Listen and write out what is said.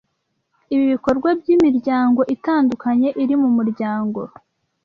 Ibikorwa byimiryango itandukanye iri mumuryango